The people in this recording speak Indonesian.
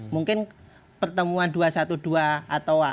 mungkin pertemuan dua ratus dua belas atau